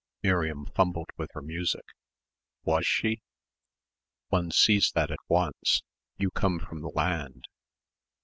Miriam fumbled with her music.... Was she? "One sees that at once. You come from the land."